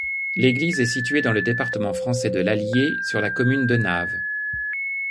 L'église est située dans le département français de l'Allier, sur la commune de Naves.